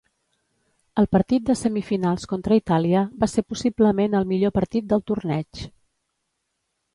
El partit de semifinals contra Itàlia va ser possiblement el millor partit del torneig.